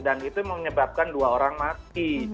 dan itu menyebabkan dua orang mati